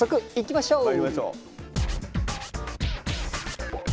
まいりましょう。